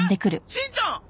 しんちゃん！